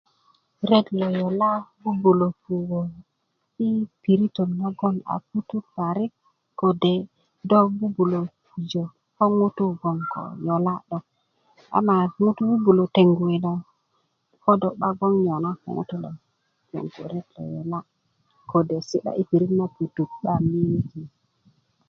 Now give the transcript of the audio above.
ret ló yolá 'bu'bulä puwö i periton nagon a 'putut́ parik kode 'do 'bu'bulo pujö ko ŋutú 'boŋ ko yolá lo a ma ŋutú bu'bulö tengú ko dó 'ba gboŋ nyoga ko ŋutú lo gboŋ ko ret lo yolá kode sidá i perit na putut 'bamiyelinikin